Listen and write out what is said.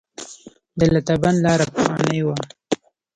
د لاتابند لاره پخوانۍ وه